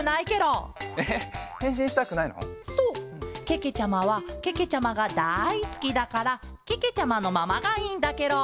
けけちゃまはけけちゃまがだいすきだからけけちゃまのままがいいんだケロ。